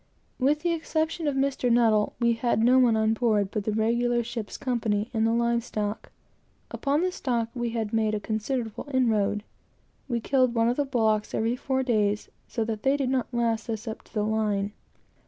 With the exception of Mr. N., we had no one on board but the regular ship's company, and the live stock. Upon this, we had made a considerable inroad. We killed one of the bullocks every four days, so that they did not last us up to the line.